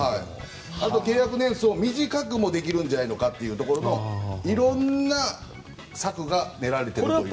あと契約年数を短くできるんじゃないかということでいろんな策が練られていると思います。